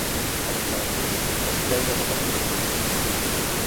Actualment, es creu desaparegut.